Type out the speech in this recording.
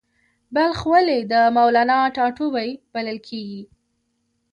بلخ ولې د مولانا ټاټوبی بلل کیږي؟